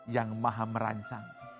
yang maha merancang